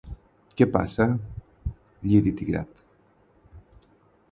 Què passa, Lliri Tigrat?